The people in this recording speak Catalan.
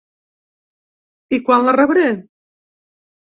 I quan la rebré?